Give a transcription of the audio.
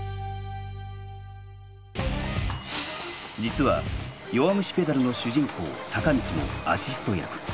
実は「弱虫ペダル」の主人公坂道もアシスト役。